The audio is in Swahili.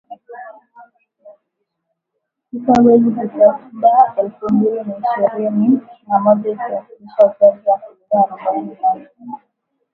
tisa mwezi Disemba elfu mbili na ishirini na moja ikiwasilisha ukuaji wa asilimia arubaini na nne